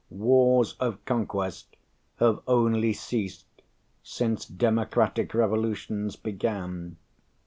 Wars of conquest have only ceased since democratic revolutions began.